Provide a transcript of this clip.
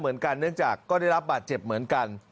เหมือนกันเนื่องจากก็ได้รับบาดเจ็บเหมือนกัน